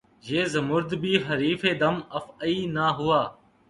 یہ زمرد بھی حریف دم افعی نہ ہوا